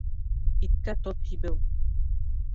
Иткә тоҙ һибеү